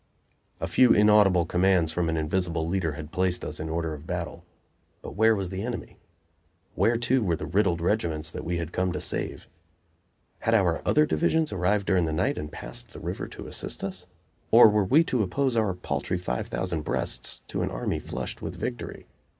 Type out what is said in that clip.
A few inaudible commands from an invisible leader had placed us in order of battle. But where was the enemy? Where, too, were the riddled regiments that we had come to save? Had our other divisions arrived during the night and passed the river to assist us? or were we to oppose our paltry five thousand breasts to an army flushed with victory?